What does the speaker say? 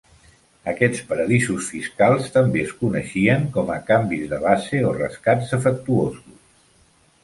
Aquests paradisos fiscals també es coneixien com a "canvis de base" o "rescats defectuosos".